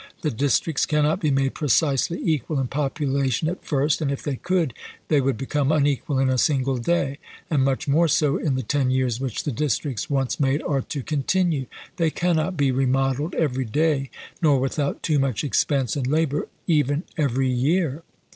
The districts cannot be made precisely equal in population at first, and if they could, they would become unequal in a single day, and much more so in the ten years which the districts, once made, are to continue. They cannot be remodeled every day; nor, without too much expense and labor, even every year.